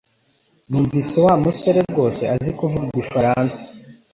Numvise Wa musore rwose azi kuvuga igifaransa